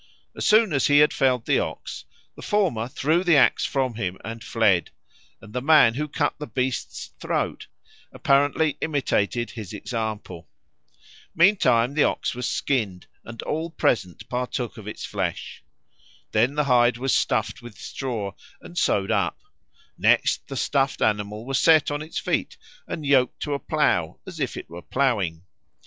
As soon as he had felled the OX, the former threw the axe from him and fled; and the man who cut the beast's throat apparently imitated his example. Meantime the OX was skinned and all present partook of its flesh. Then the hide was stuffed with straw and sewed up; next the stuffed animal was set on its feet and yoked to a plough as if it were ploughing.